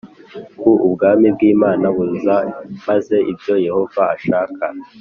ko Ubwami bw Imana buza maze ibyo Yehova ashaka